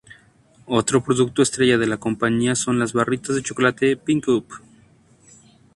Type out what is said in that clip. Otro producto estrella de la compañía son las barritas de chocolate "Pick Up!".